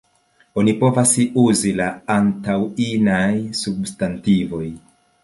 Oni povas uzi La antaŭ inaj substantivoj.